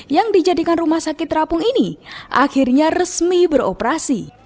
yang dijadikan rumah sakit terapung ini akhirnya resmi beroperasi